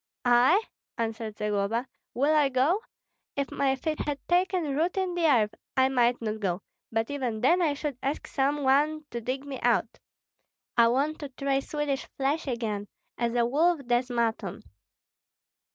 "I?" answered Zagloba, "will I go? If my feet had taken root in the earth, I might not go; but even then I should ask some one to dig me out. I want to try Swedish flesh again, as a wolf does mutton.